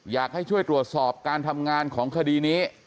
อยากให้ช่วยตรวจสอบการทำงานของคดีนี้